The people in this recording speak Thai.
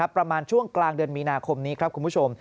ประมาณช่วงกลางเดือนมีนาคมนี้ครับคุณผู้ชม